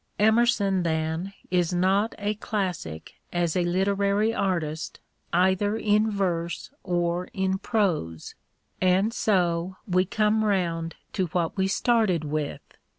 Emerson tiien is not a classic as a literary artist either in verse or in prose, and so we come round to what we started with.